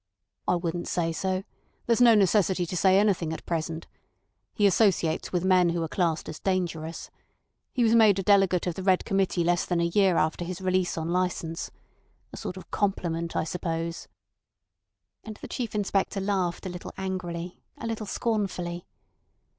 "I wouldn't say so. There's no necessity to say anything at present. He associates with men who are classed as dangerous. He was made a delegate of the Red Committee less than a year after his release on licence. A sort of compliment, I suppose." And the Chief Inspector laughed a little angrily, a little scornfully.